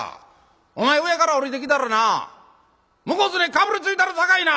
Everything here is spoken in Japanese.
お前上から下りてきたらな向こうずねかぶりついたるさかいな！」。